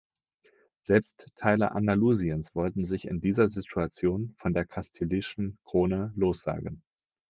Selbst Teile Andalusiens wollten sich in dieser Situation von der kastilischen Krone lossagen.